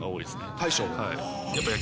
大将が。